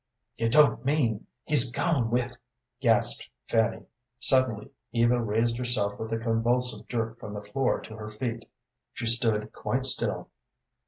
"You don't mean he's gone with ?" gasped Fanny. Suddenly Eva raised herself with a convulsive jerk from the floor to her feet. She stood quite still.